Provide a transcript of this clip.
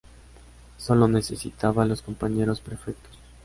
Solo necesitaba los compañeros perfectos.